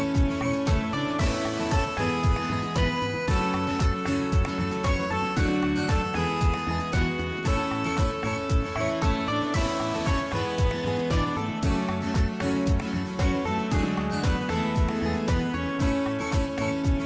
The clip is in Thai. สวัสดีครับพี่สิทธิ์มหันฯสวัสดีครับ